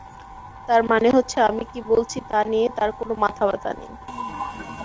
তার মানে হচ্ছে আমি কী বলছি তা নিয়ে তাঁর কোন মাথাব্যথা নেই।